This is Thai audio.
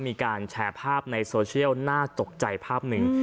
มีการแชร์ภาพในโซเชียลน่าตกใจภาพหนึ่ง